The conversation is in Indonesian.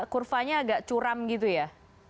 kurvanya agak curam gitu ya